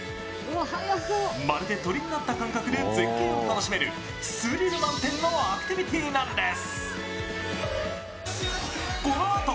まるで鳥になった感覚で絶景を楽しめるスリル満点のアクティビティなんです。